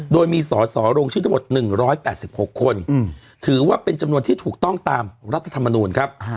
โดยมีสอสอลงชื่อทั้งหมด๑๘๖คนถือว่าเป็นจำนวนที่ถูกต้องตามรัฐธรรมนูลครับ